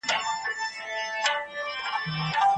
د صفت له اړخه طلاق جلا بحث لري.